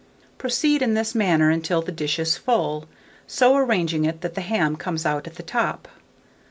Proceed in this manner until the dish is full, so arranging it that the ham comes at the top.